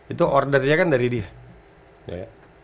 itu ordernya kan dari dia